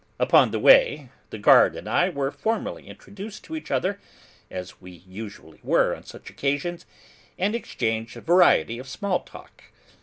Upon the way, the guard and I were formally introduced to each other (as we usually were on such occasions), and exchanged a variety of small talk.